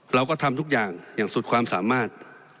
เราก็ทำทุกอย่างอย่างสุดความสามารถ